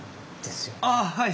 ああはい。